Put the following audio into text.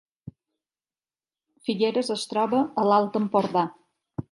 Figueres es troba a l’Alt Empordà